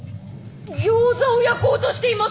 ギョーザを焼こうとしています！